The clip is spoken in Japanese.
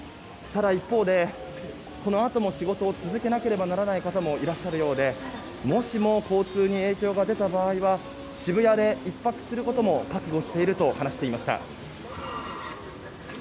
ただ一方で、このあとも仕事を続けなけらばならない方もいらっしゃるようでもしも交通に影響が出た場合は渋谷で１泊することも覚悟していると話していました。